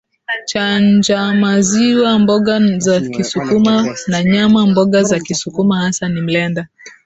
cha njaamaziwamboga za kisukuma na nyama Mboga za kisukuma hasa ni mlenda